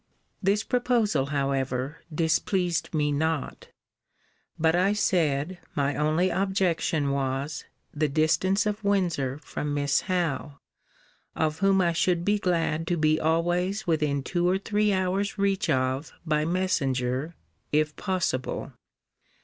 This proposal, however, displeased me not. But I said, my only objection was, the distance of Windsor from Miss Howe, of whom I should be glad to be always within two or three hours reach of by messenger, if possible.